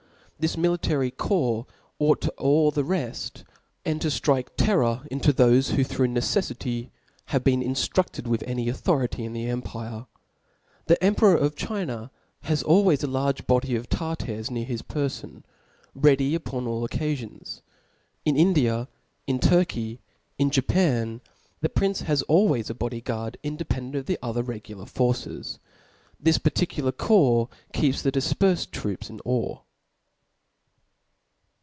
This military corps ought to awe the reft, and to ftrike terror into thofe who through neceflSty have been intrufted with any authority in the empire. The emperor of China has always a large body of Tar tars near his perfon, ready upon all occafions. In India, in Turky, in Japan, the prince has always a body guard, independent of the otther regular forces. This parttcular corps keeps ^he difperfed troops in awe.